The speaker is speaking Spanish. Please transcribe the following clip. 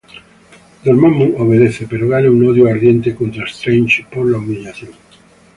Dormammu obedece, pero gana un odio ardiente contra Strange por la humillación.